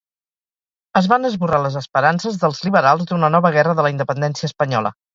Es van esborrar les esperances dels liberals d'una nova Guerra de la Independència Espanyola.